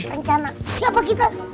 rencana siapa kita